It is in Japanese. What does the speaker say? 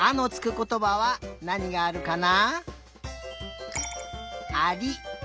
ことばはなにがあるかな？